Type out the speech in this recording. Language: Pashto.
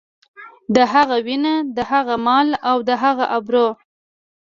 د هغه وينه، د هغه مال او د هغه ابرو.